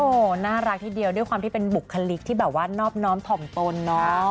โอ้โหน่ารักทีเดียวด้วยความที่เป็นบุคลิกที่แบบว่านอบน้อมถ่อมตนเนาะ